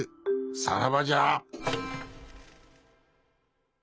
さらばじゃ。